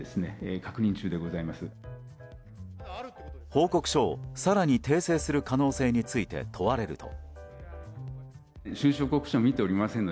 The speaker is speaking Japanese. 報告書を更に訂正する可能性について問われると。